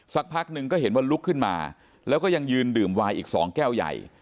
สักพักหนึ่งก็เห็นว่าลุกขึ้นมาแล้วก็ยังยืนดื่มวายอีก๒แก้วใหญ่